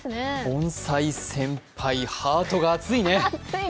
盆栽先輩、ハートが熱いね。